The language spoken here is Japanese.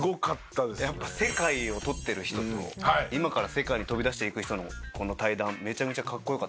やっぱ世界を獲ってる人と今から世界に飛び出していく人のこの対談めちゃめちゃかっこよかったですね。